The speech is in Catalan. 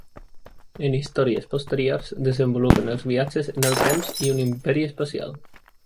En històries posteriors, desenvolupen els viatges en el temps i un imperi espacial.